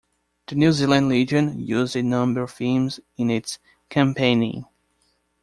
The New Zealand Legion used a number of themes in its campaigning.